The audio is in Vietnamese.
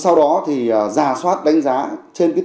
sau đó thì rà soát đánh giá trên cái